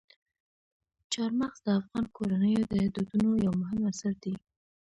چار مغز د افغان کورنیو د دودونو یو مهم عنصر دی.